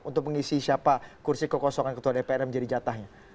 untuk mengisi siapa kursi kekosongan ketua dpr yang menjadi jatahnya